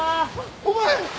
お前！